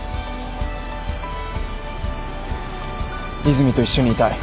和泉と一緒にいたい。